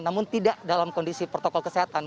namun tidak dalam kondisi protokol kesehatan